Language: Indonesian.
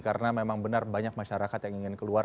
karena memang benar banyak masyarakat yang ingin keluar